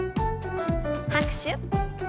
拍手。